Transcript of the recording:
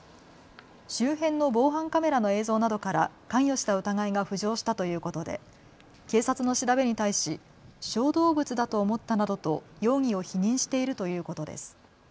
周辺の防犯カメラの映像などから関与した疑いが浮上したということで警察の調べに対し小動物だと思ったなどと容疑を否認しているということです。